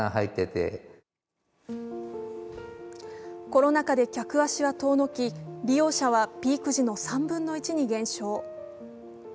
コロナ禍で客足は遠のき、利用者はピーク時の３分の１に減少。